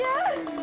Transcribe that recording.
ya ampun tasya